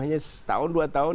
hanya setahun dua tahun